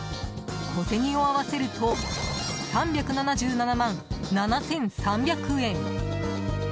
小銭を合わせると３７７万７３００円！